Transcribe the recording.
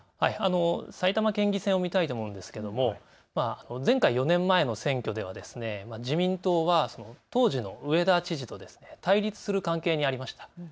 埼玉県議選を見たいと思うんですけれども、前回４年前の選挙では自民党はその当時の上田知事と対立する関係にありました。